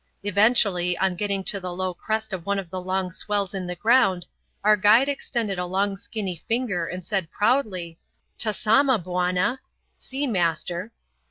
Eventually, on getting to the low crest of one of the long swells in the ground, our guide extended a long skinny finger and said proudly, "Tazama, Bwana" ("See, Master").